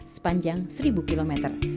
sepanjang seribu km